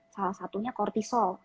salah satunya kortisol